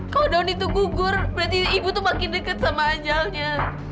kalo don itu gugur berarti ibu tuh makin deket sama anjalnya